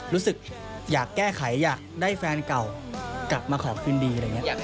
รู้สึกอยากได้แก้ไขอยากได้แฟนเก่ากลับมาขอคืนดี